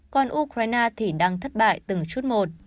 còn ukraine thì đang thất bại từng chút một